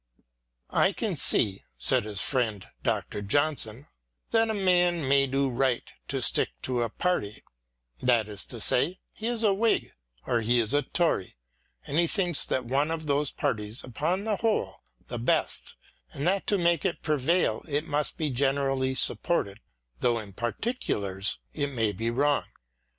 I can see [said his friend Dr. Johnson] that a man may do right to stick to a party ; that is to say, he is a Whig or he is a Tory, and he thinks that one of those parties upon the whole the best and that to make it prevail it must be generally supported, though in particulars it may be wrong.